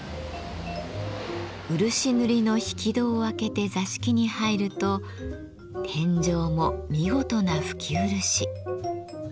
漆塗りの引き戸を開けて座敷に入ると天井も見事な拭き漆。